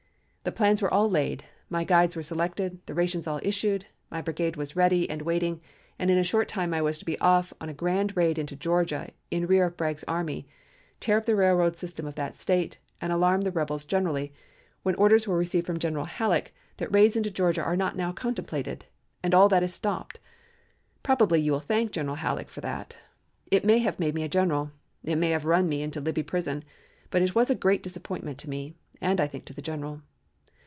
"The plans were all laid, my guides were selected, the rations were all issued, my brigade was ready and waiting, and in a short time I was to be off on a grand raid into Georgia in rear of Bragg's army, tear up the railroad system of the State, and alarm the rebels generally, when orders were received from General Halleck that raids into Georgia are not now contemplated, and all that is stopped. Probably you will thank General Halleck for that. It may have made me a general. It may have run me into Libby Prison. But it was a great disappointment to me and I think to the general.